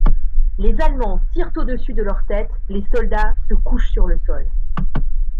Les Allemands tirent au-dessus de leurs têtes, les soldats se couchent sur le sol.